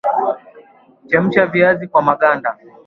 chemsha viazi kwa maganda